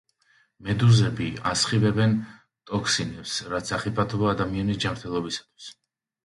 მედუზები ასხივებენ ტოქსინებს, რაც სახიფათოა ადამიანის ჯანმრთელობისათვის.